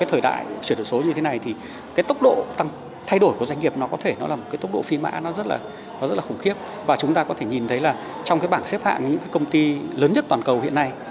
hoặc xếp hạng những công ty lớn nhất toàn cầu hiện nay